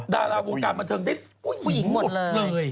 ดาราวงการบันเทิงได้ผู้หญิงหมดเลย